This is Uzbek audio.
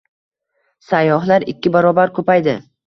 Sayyohlar ikki barobar ko‘paydi